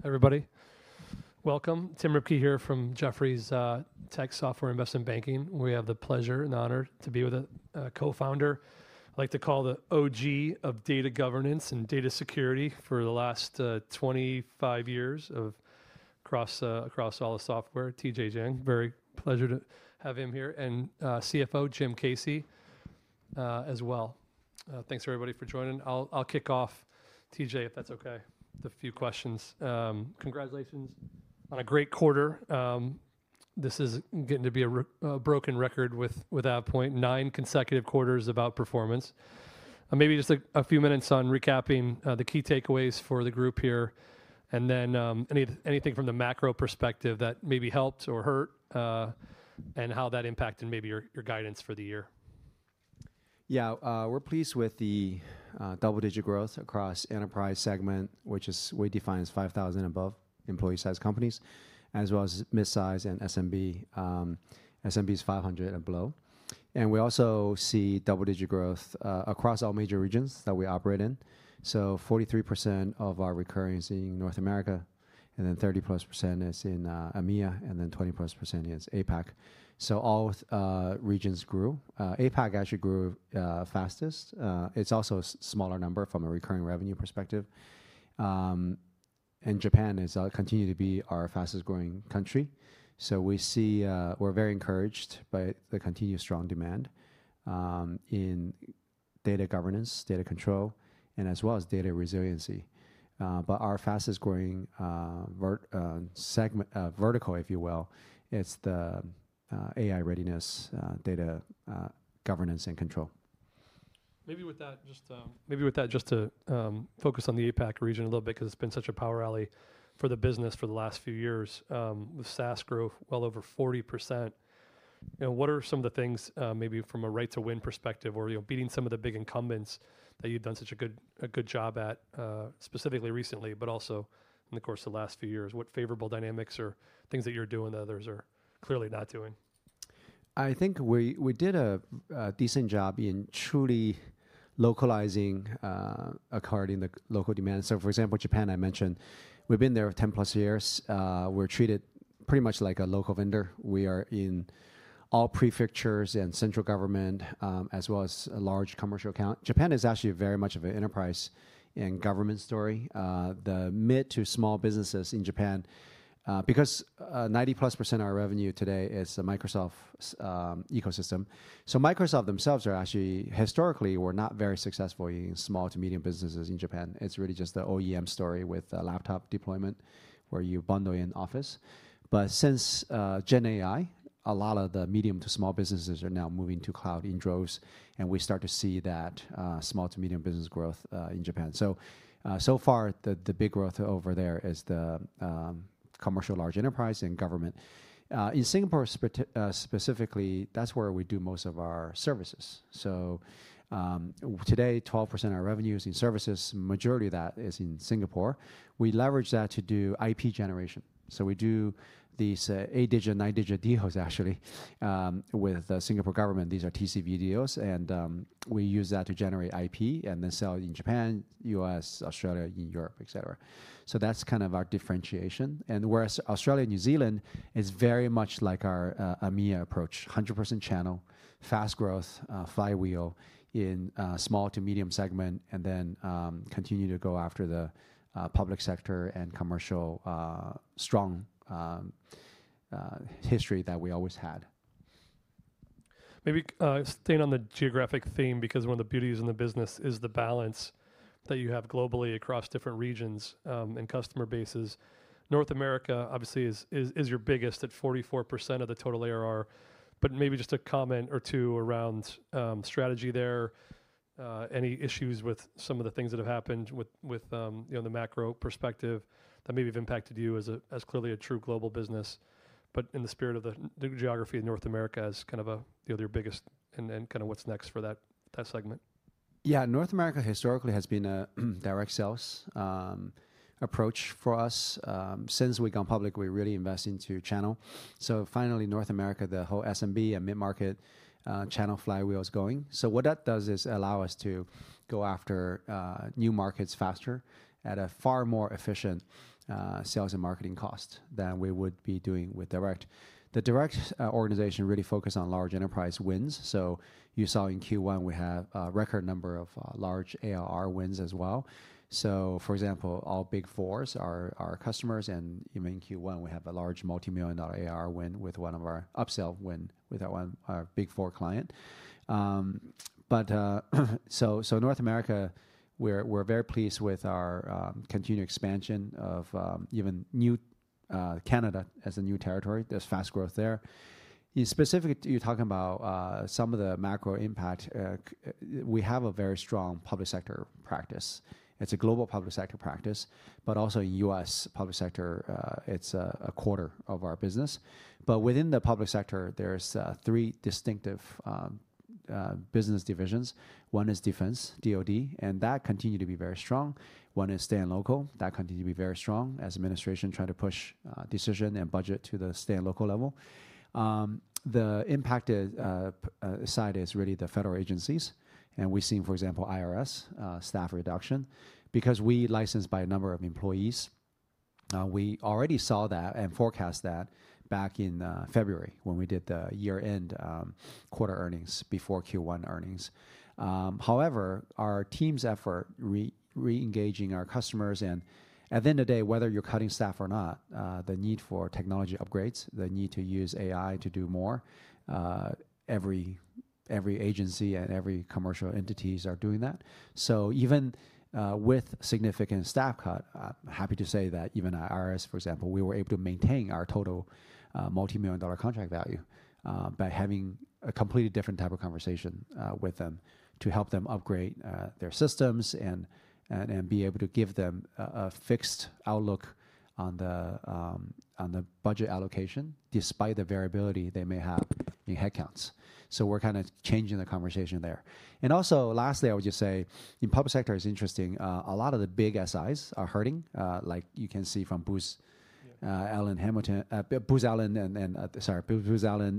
Hi everybody. Welcome. Tim Roepke here from Jefferies Tech Software Investment Banking. We have the pleasure and honor to be with a Co-founder, I like to call the OG of data governance and data security for the last 25 years across all the software, TJ Jiang. Very pleasure to have him here. And CFO Jim Caci as well. Thanks everybody for joining. I'll kick off, TJ, if that's okay, with a few questions. Congratulations on a great quarter. This is getting to be a broken record with AvePoint, nine consecutive quarters about performance. Maybe just a few minutes on recapping the key takeaways for the group here. And then anything from the macro perspective that maybe helped or hurt, and how that impacted maybe your guidance for the year. Yeah, we're pleased with the double-digit growth across the enterprise segment, which is what we define as 5,000 and above employee-sized companies, as well as midsize and SMBs, SMBs 500 and below. We also see double-digit growth across all major regions that we operate in. 43% of our recurrence is in North America, and then 30%+ is in EMEA, and then 20%+ is APAC. All regions grew. APAC actually grew fastest. It's also a smaller number from a recurring revenue perspective. Japan continues to be our fastest-growing country. We see we're very encouraged by the continued strong demand in data governance, data control, and as well as data resiliency. Our fastest-growing vertical, if you will, is the AI readiness, data governance, and control. Maybe with that, just to focus on the APAC region a little bit, because it's been such a power alley for the business for the last few years, with SaaS growth well over 40%. What are some of the things, maybe from a right-to-win perspective, or beating some of the big incumbents that you've done such a good job at, specifically recently, but also in the course of the last few years? What favorable dynamics or things that you're doing that others are clearly not doing? I think we did a decent job in truly localizing according to local demand. For example, Japan I mentioned, we've been there 10+ years. We're treated pretty much like a local vendor. We are in all prefectures and central government, as well as large commercial accounts. Japan is actually very much of an enterprise and government story. The mid to small businesses in Japan, because 90%+ of our revenue today is the Microsoft ecosystem. Microsoft themselves are actually historically not very successful in small to medium businesses in Japan. It's really just the OEM story with laptop deployment, where you bundle in Office. Since GenAI, a lot of the medium to small businesses are now moving to cloud in droves. We start to see that small to medium business growth in Japan. So far, the big growth over there is the commercial large enterprise and government. In Singapore, specifically, that's where we do most of our services. Today, 12% of our revenue is in services. The majority of that is in Singapore. We leverage that to do IP generation. We do these eight-digit, nine-digit deals, actually, with the Singapore government. These are TCV deals. We use that to generate IP and then sell in Japan, U.S., Australia, Europe, et cetera. That's kind of our differentiation. Whereas Australia and New Zealand is very much like our EMEA approach, 100% channel, fast growth, flywheel in small to medium segment, and then continue to go after the public sector and commercial strong history that we always had. Maybe staying on the geographic theme, because one of the beauties in the business is the balance that you have globally across different regions and customer bases. North America, obviously, is your biggest at 44% of the total ARR. Maybe just a comment or two around strategy there, any issues with some of the things that have happened with the macro perspective that maybe have impacted you as clearly a true global business, but in the spirit of the geography of North America as kind of your biggest and kind of what's next for that segment? Yeah, North America historically has been a direct sales approach for us. Since we gone public, we really invest into channel. Finally, North America, the whole SMB and mid-market channel flywheel is going. What that does is allow us to go after new markets faster at a far more efficient sales and marketing cost than we would be doing with direct. The direct organization really focused on large enterprise wins. You saw in Q1, we have a record number of large ARR wins as well. For example, all Big Four are our customers. Even in Q1, we have a large multi-million dollar ARR win with one of our upsell win with our Big Four client. North America, we're very pleased with our continued expansion of even new Canada as a new territory. There's fast growth there. Specifically, you're talking about some of the macro impact. We have a very strong public sector practice. It's a global public sector practice. In the U.S. public sector, it's a quarter of our business. Within the public sector, there are three distinctive business divisions. One is defense, DOD, and that continued to be very strong. One is state and local. That continued to be very strong as administration tried to push decision and budget to the state and local level. The impact side is really the federal agencies. We've seen, for example, IRS staff reduction. Because we license by number of employees, we already saw that and forecast that back in February when we did the year-end quarter earnings before Q1 earnings. However, our team's effort re-engaging our customers. At the end of the day, whether you're cutting staff or not, the need for technology upgrades, the need to use AI to do more, every agency and every commercial entity is doing that. Even with significant staff cut, I'm happy to say that even at IRS, for example, we were able to maintain our total multi-million dollar contract value by having a completely different type of conversation with them to help them upgrade their systems and be able to give them a fixed outlook on the budget allocation despite the variability they may have in headcounts. We're kind of changing the conversation there. Lastly, I would just say in public sector, it's interesting. A lot of the big SIs are hurting, like you can see from Booz Allen,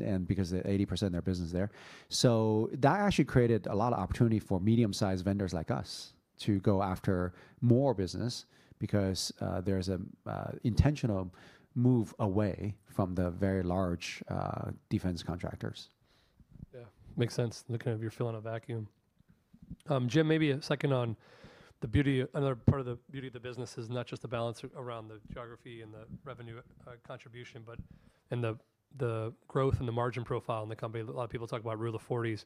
and because 80% of their business is there. That actually created a lot of opportunity for medium-sized vendors like us to go after more business because there's an intentional move away from the very large defense contractors. Yeah, makes sense. Looking at your fill-in-a-vacuum. Jim, maybe a second on the beauty. Another part of the beauty of the business is not just the balance around the geography and the revenue contribution, but the growth and the margin profile in the company. A lot of people talk about Rule of 40.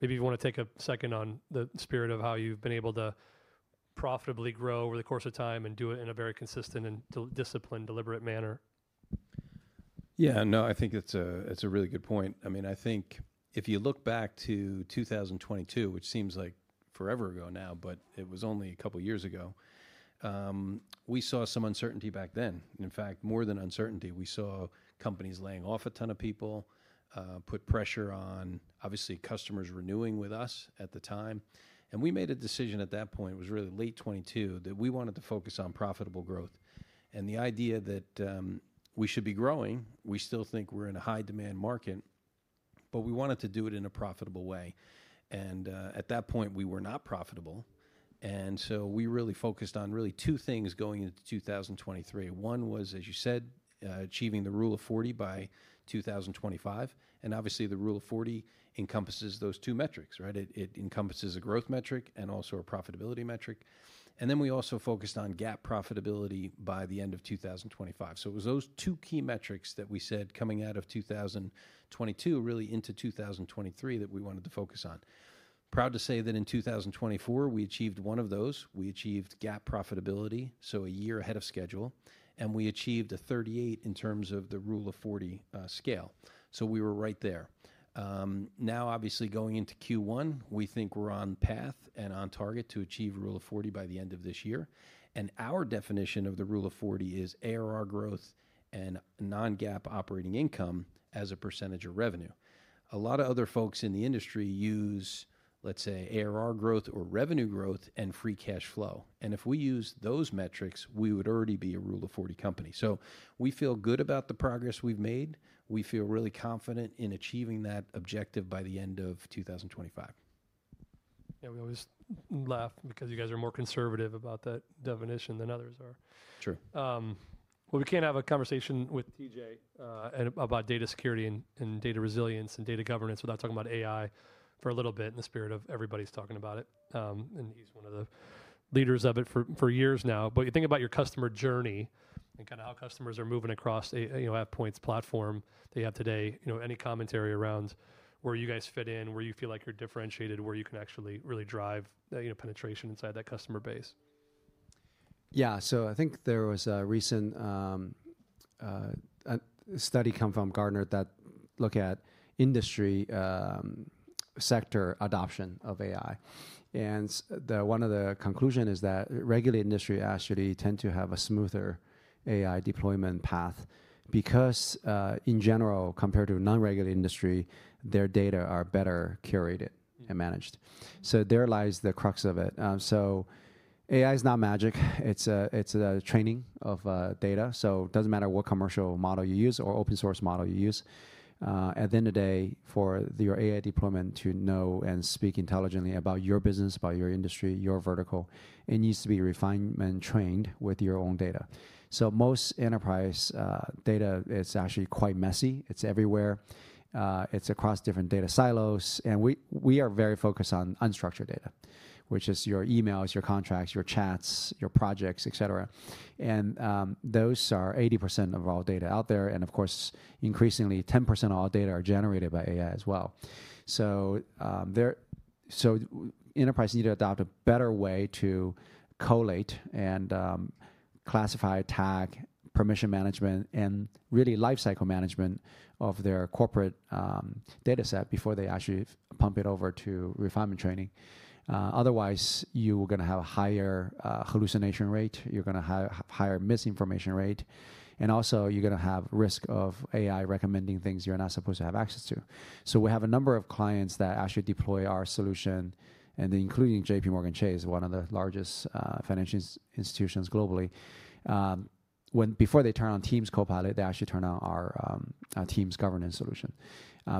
Maybe you want to take a second on the spirit of how you've been able to profitably grow over the course of time and do it in a very consistent and disciplined, deliberate manner. Yeah, no, I think it's a really good point. I mean, I think if you look back to 2022, which seems like forever ago now, but it was only a couple of years ago, we saw some uncertainty back then. In fact, more than uncertainty, we saw companies laying off a ton of people, put pressure on, obviously, customers renewing with us at the time. We made a decision at that point, it was really late 2022, that we wanted to focus on profitable growth. The idea that we should be growing, we still think we're in a high-demand market, but we wanted to do it in a profitable way. At that point, we were not profitable. We really focused on really two things going into 2023. One was, as you said, achieving the Rule of 40 by 2025. Obviously, the Rule of 40 encompasses those two metrics, right? It encompasses a growth metric and also a profitability metric. We also focused on GAAP profitability by the end of 2025. It was those two key metrics that we said coming out of 2022 really into 2023 that we wanted to focus on. Proud to say that in 2024, we achieved one of those. We achieved GAAP profitability, a year ahead of schedule. We achieved a 38 in terms of the Rule of 40 scale, so we were right there. Now, obviously, going into Q1, we think we are on path and on target to achieve Rule of 40 by the end of this year. Our definition of the Rule of 40 is ARR growth and non-GAAP operating income as a percentage of revenue. A lot of other folks in the industry use, let's say, ARR growth or revenue growth and free cash flow. If we use those metrics, we would already be a Rule of 40 company. We feel good about the progress we've made. We feel really confident in achieving that objective by the end of 2025. Yeah, we always laugh because you guys are more conservative about that definition than others are. True. We can't have a conversation with TJ about data security and data resilience and data governance without talking about AI for a little bit in the spirit of everybody's talking about it. And he's one of the leaders of it for years now. You think about your customer journey and kind of how customers are moving across AvePoint's platform they have today, any commentary around where you guys fit in, where you feel like you're differentiated, where you can actually really drive penetration inside that customer base? Yeah, so I think there was a recent study come from Gartner that looked at industry sector adoption of AI. One of the conclusions is that regular industry actually tend to have a smoother AI deployment path because, in general, compared to non-regular industry, their data are better curated and managed. There lies the crux of it. AI is not magic. It is a training of data. It does not matter what commercial model you use or open-source model you use. At the end of the day, for your AI deployment to know and speak intelligently about your business, about your industry, your vertical, it needs to be refined and trained with your own data. Most enterprise data is actually quite messy. It is everywhere. It is across different data silos. We are very focused on unstructured data, which is your emails, your contracts, your chats, your projects, et cetera. Those are 80% of all data out there. Of course, increasingly, 10% of all data are generated by AI as well. Enterprise need to adopt a better way to collate and classify, tag, permission management, and really lifecycle management of their corporate data set before they actually pump it over to refinement training. Otherwise, you are going to have a higher hallucination rate. You're going to have a higher misinformation rate. Also, you're going to have risk of AI recommending things you're not supposed to have access to. We have a number of clients that actually deploy our solution, including JPMorgan Chase, one of the largest financial institutions globally. Before they turn on Teams Copilot, they actually turn on our teams governance solution.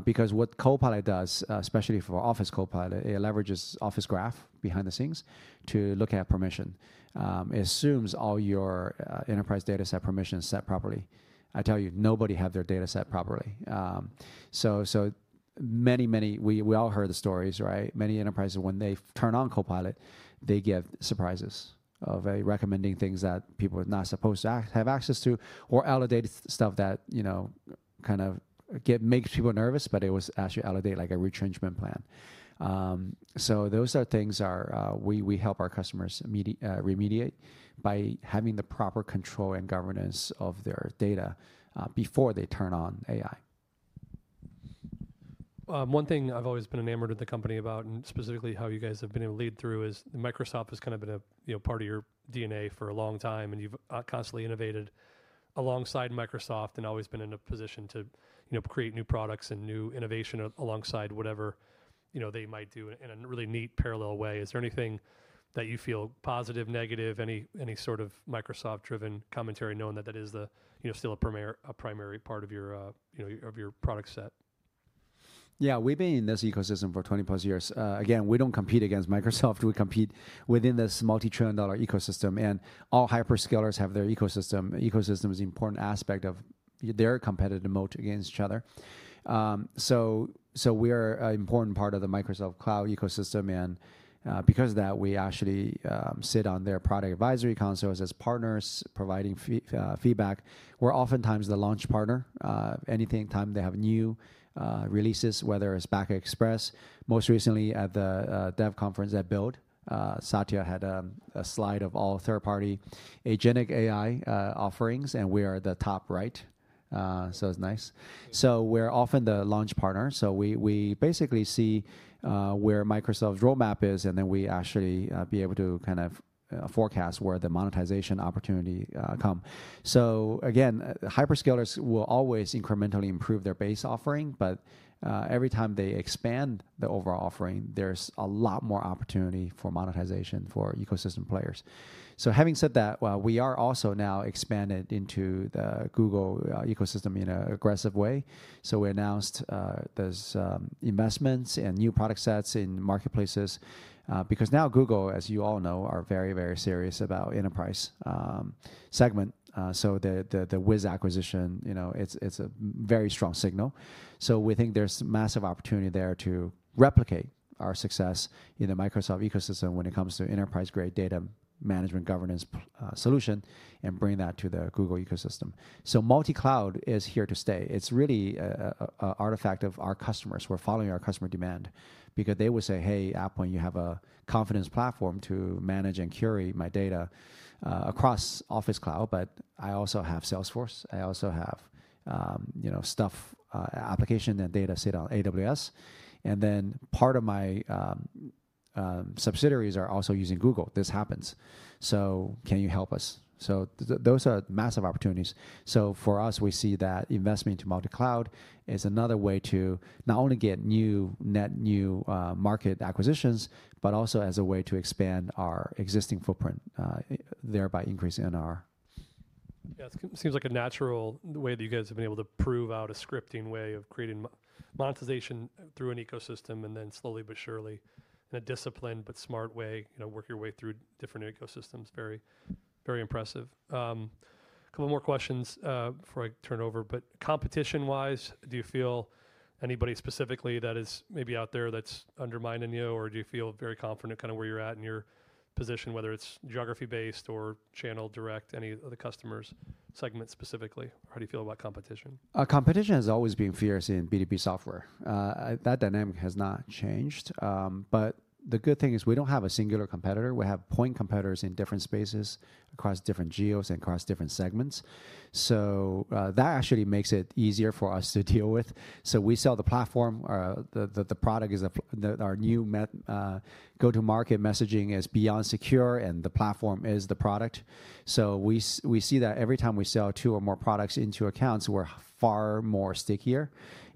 Because what Copilot does, especially for Office Copilot, it leverages Office Graph behind the scenes to look at permission. It assumes all your enterprise data set permissions set properly. I tell you, nobody has their data set properly. We all heard the stories, right? Many enterprises, when they turn on Copilot, they get surprises of recommending things that people are not supposed to have access to or outdated stuff that kind of makes people nervous, but it was actually outdated, like a retrenchment plan. Those are things we help our customers remediate by having the proper control and governance of their data before they turn on AI. One thing I've always been enamored with the company about, and specifically how you guys have been able to lead through, is Microsoft has kind of been a part of your DNA for a long time. And you've constantly innovated alongside Microsoft and always been in a position to create new products and new innovation alongside whatever they might do in a really neat parallel way. Is there anything that you feel positive, negative, any sort of Microsoft-driven commentary, knowing that that is still a primary part of your product set? Yeah, we've been in this ecosystem for 20+ years. Again, we don't compete against Microsoft. We compete within this multi-trillion dollar ecosystem. All hyperscalers have their ecosystem. Ecosystem is an important aspect of their competitive moat against each other. We are an important part of the Microsoft Cloud ecosystem. Because of that, we actually sit on their product advisory councils as partners providing feedback. We're oftentimes the launch partner. Anytime they have new releases, whether it's Back-Express. Most recently, at the Dev Conference at Build, Satya had a slide of all third-party agentic AI offerings. We are the top right. It's nice. We're often the launch partner. We basically see where Microsoft's roadmap is. We actually be able to kind of forecast where the monetization opportunity comes. Hyperscalers will always incrementally improve their base offering. Every time they expand the overall offering, there's a lot more opportunity for monetization for ecosystem players. Having said that, we are also now expanded into the Google ecosystem in an aggressive way. We announced those investments and new product sets in marketplaces. Because now Google, as you all know, are very, very serious about the enterprise segment. The Wiz acquisition is a very strong signal. We think there's massive opportunity there to replicate our success in the Microsoft ecosystem when it comes to enterprise-grade data management governance solution and bring that to the Google ecosystem. Multi-cloud is here to stay. It's really an artifact of our customers. We're following our customer demand. They will say, hey, AvePoint, you have a Confidence Platform to manage and query my data across Office Cloud. But I also have Salesforce. I also have stuff, application and data sit on AWS. Then part of my subsidiaries are also using Google. This happens. Can you help us? Those are massive opportunities. For us, we see that investment into multi-cloud is another way to not only get new, net new market acquisitions, but also as a way to expand our existing footprint, thereby increasing our. Yeah, it seems like a natural way that you guys have been able to prove out a scripting way of creating monetization through an ecosystem and then slowly but surely in a disciplined but smart way, work your way through different ecosystems. Very, very impressive. A couple more questions before I turn over. Competition-wise, do you feel anybody specifically that is maybe out there that's undermining you? Or do you feel very confident kind of where you're at in your position, whether it's geography-based or channel direct, any of the customer segments specifically? How do you feel about competition? Competition has always been fierce in B2B software. That dynamic has not changed. The good thing is we do not have a singular competitor. We have point competitors in different spaces across different geos and across different segments. That actually makes it easier for us to deal with. We sell the platform. The product is our new go-to-market messaging is beyond secure. The platform is the product. We see that every time we sell two or more products into accounts, we are far more stickier,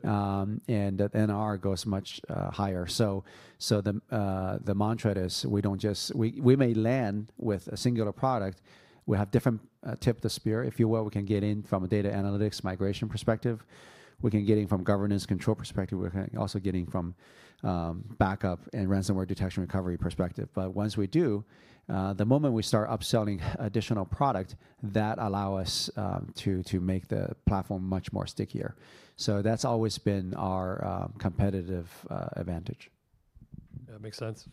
and the NR goes much higher. The mantra is we may land with a singular product. We have different tip of the spear, if you will. We can get in from a data analytics migration perspective. We can get in from governance control perspective. We can also get in from backup and ransomware detection recovery perspective. Once we do, the moment we start upselling additional product, that allows us to make the platform much more stickier. So that's always been our competitive advantage. That makes sense.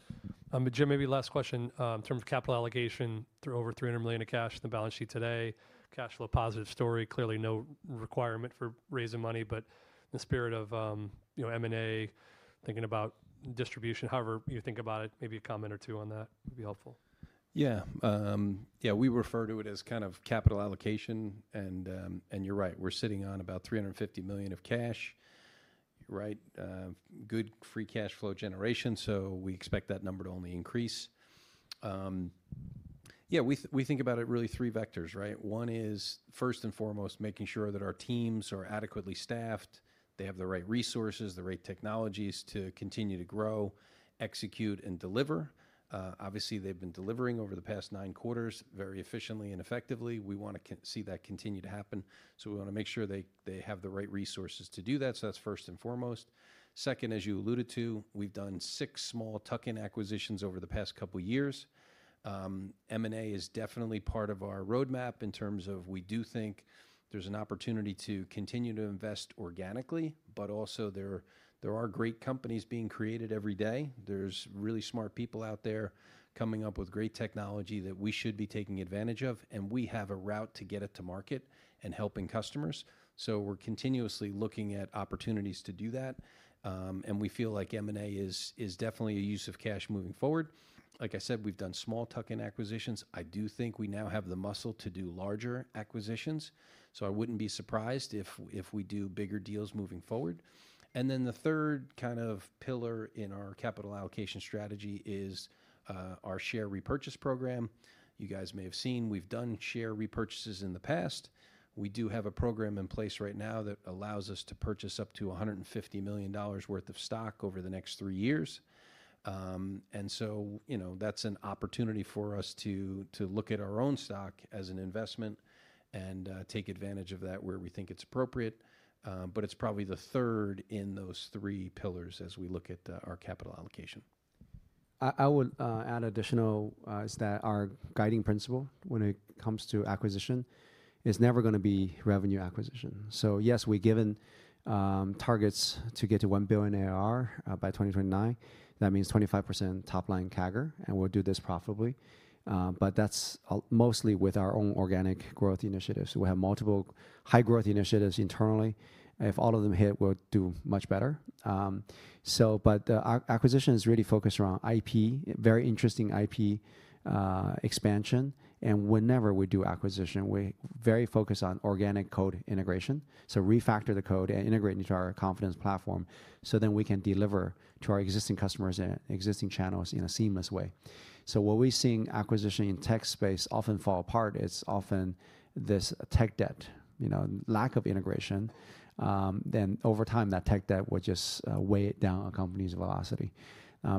Jim, maybe last question. In terms of capital allocation through over $300 million of cash in the balance sheet today, cash flow positive story, clearly no requirement for raising money. In the spirit of M&A, thinking about distribution, however you think about it, maybe a comment or two on that would be helpful. Yeah. Yeah, we refer to it as kind of capital allocation. And you're right. We're sitting on about $350 million of cash, right? Good free cash flow generation. So we expect that number to only increase. Yeah, we think about it really three vectors, right? One is, first and foremost, making sure that our teams are adequately staffed, they have the right resources, the right technologies to continue to grow, execute, and deliver. Obviously, they've been delivering over the past nine quarters very efficiently and effectively. We want to see that continue to happen. We want to make sure they have the right resources to do that. That's first and foremost. Second, as you alluded to, we've done six small tuck-in acquisitions over the past couple of years. M&A is definitely part of our roadmap in terms of we do think there's an opportunity to continue to invest organically. There are great companies being created every day. There are really smart people out there coming up with great technology that we should be taking advantage of. We have a route to get it to market and helping customers. We are continuously looking at opportunities to do that. We feel like M&A is definitely a use of cash moving forward. Like I said, we've done small tuck-in acquisitions. I do think we now have the muscle to do larger acquisitions. I would not be surprised if we do bigger deals moving forward. The third kind of pillar in our capital allocation strategy is our share repurchase program. You guys may have seen we've done share repurchases in the past. We do have a program in place right now that allows us to purchase up to $150 million worth of stock over the next three years. That is an opportunity for us to look at our own stock as an investment and take advantage of that where we think it's appropriate. It is probably the third in those three pillars as we look at our capital allocation. I would add additional is that our guiding principle when it comes to acquisition is never going to be revenue acquisition. Yes, we're given targets to get to $1 billion ARR by 2029. That means 25% top line CAGR. We'll do this profitably. That's mostly with our own organic growth initiatives. We have multiple high-growth initiatives internally. If all of them hit, we'll do much better. Our acquisition is really focused around IP, very interesting IP expansion. Whenever we do acquisition, we're very focused on organic code integration. Refactor the code and integrate into our Confidence Platform so then we can deliver to our existing customers and existing channels in a seamless way. What we're seeing acquisition in tech space often fall apart is often this tech debt, lack of integration. Over time, that tech debt will just weigh it down a company's velocity.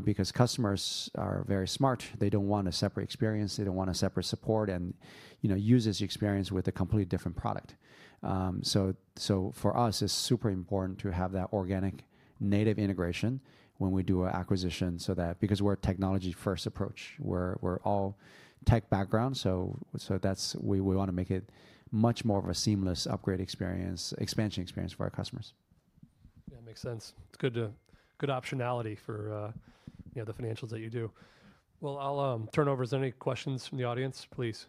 Because customers are very smart. They don't want a separate experience. They don't want a separate support and use this experience with a completely different product. For us, it's super important to have that organic native integration when we do an acquisition because we're a technology-first approach. We're all tech background. We want to make it much more of a seamless upgrade experience, expansion experience for our customers. That makes sense. It's good optionality for the financials that you do. I'll turn over. Is there any questions from the audience? Please.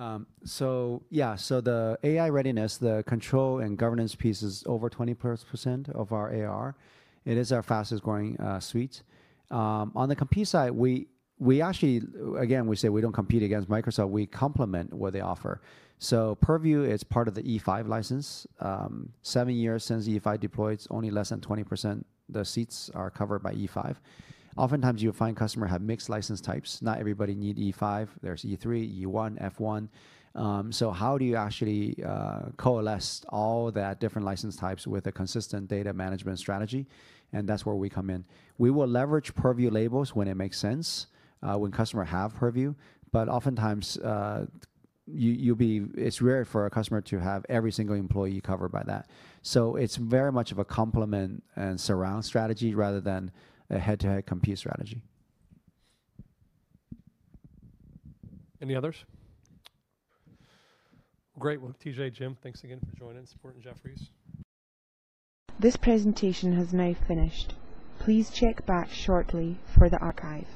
Sort of two-part question. One is the governance sort of AI readiness sort of bucket. Roughly on kind of what percent of the ARR does that represent? And then the second question is competitively, so Microsoft talks a lot about Purview, which I assume you compete directly against. Can you just describe why you win, what you do sort of maybe better than their own technology and others kind of specific to that market? Yeah. The AI readiness, the control and governance piece is over 20% of our ARR. It is our fastest growing suite. On the compete side, we actually, again, we say we do not compete against Microsoft. We complement what they offer. Purview is part of the E5 license. Seven years since E5 deployed, it is only less than 20%. The seats are covered by E5. Oftentimes, you will find customers have mixed license types. Not everybody needs E5. There is E3, E1, F1. How do you actually coalesce all those different license types with a consistent data management strategy? That is where we come in. We will leverage Purview labels when it makes sense, when customers have Purview. Oftentimes, it is rare for a customer to have every single employee covered by that. It is very much a complement and surround strategy rather than a head-to-head compete strategy. Any others? Great. TJ, Jim, thanks again for joining us for Jefferies. This presentation has now finished. Please check back shortly for the archive.